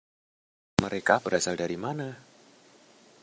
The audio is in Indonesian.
Mereka berasal dari mana?